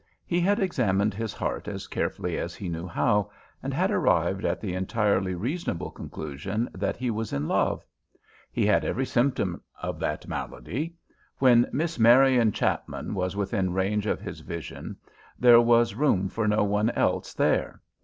He had examined his heart as carefully as he knew how, and had arrived at the entirely reasonable conclusion that he was in love. He had every symptom of that malady. When Miss Marian Chapman was within range of his vision there was room for no one else there.